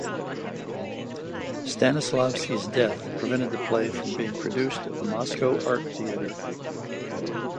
Stanislavski's death prevented the play from being produced at the Moscow Art Theater.